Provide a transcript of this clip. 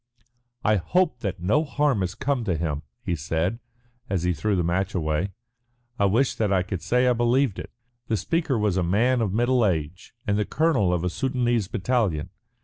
"I hope that no harm has come to him," he said, as he threw the match away. "I wish that I could say I believed it." The speaker was a man of middle age and the colonel of a Soudanese battalion.